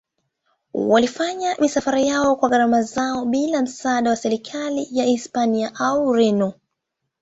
Walifanya misafara yao kwa gharama zao bila msaada wa serikali ya Hispania au Ureno.